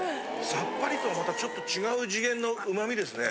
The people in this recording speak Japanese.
さっぱりとはまたちょっと違う次元のうまみですね。